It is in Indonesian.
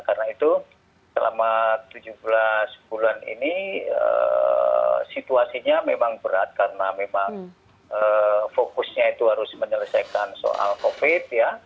karena itu selama tujuh belas bulan ini situasinya memang berat karena memang fokusnya itu harus menyelesaikan soal covid ya